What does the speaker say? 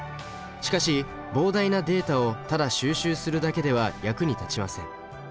しかし膨大なデータをただ収集するだけでは役に立ちません。